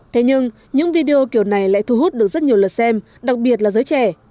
thế nhưng những video kiểu này lại thu hút được rất nhiều lượt xem đặc biệt là giới trẻ